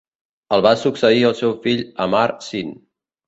El va succeir el seu fill Amar-Sin.